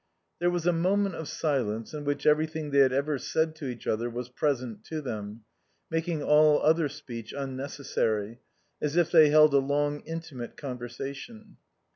There was a moment of silence in which everything they had ever said to each other was present to them, making all other speech unnecessary, as if they held a long intimate conversation.